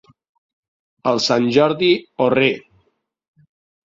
El Sant Jordi o re.